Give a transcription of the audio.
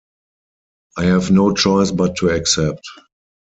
I have no choice but to accept.